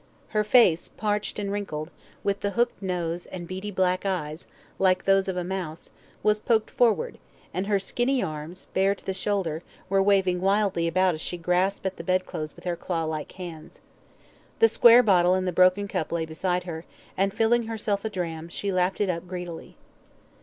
Her face, parched and wrinkled, with the hooked nose, and beady black eyes, like those of a mouse, was poked forward, and her skinny arms, bare to the shoulder, were waving wildly about as she grasped at the bedclothes with her claw like hands. The square bottle and the broken cup lay beside her, and filling herself a dram, she lapped it up greedily.